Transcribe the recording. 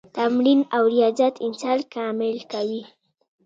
تمرین او ریاضت انسان کامل کوي.